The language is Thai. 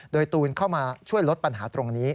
โดยตูนเข้ามาช่วยลดปัญหาตรงนี้